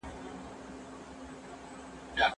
موږ يقين لرو، چي مقطعات يا هجائيه حروف معناوي لري.